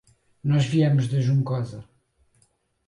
Nós viemos da Juncosa.